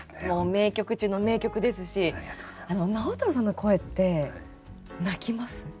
もう名曲中の名曲ですし直太朗さんの声って泣きます。